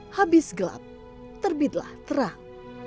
habis gelap terbitlah terang